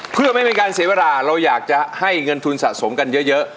เพื่อไม่เป็นการเสียเวลาเราอยากจะให้เงินทุนสะสมกันเยอะ